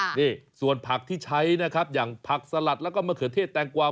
นี่ส่วนผักที่ใช้นะครับอย่างผักสลัดแล้วก็มะเขือเทศแตงกวา